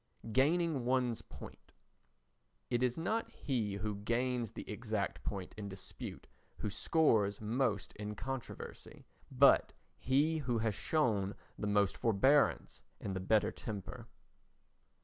Gaining One's Point It is not he who gains the exact point in dispute who scores most in controversy, but he who has shown the most forbearance and the better temper.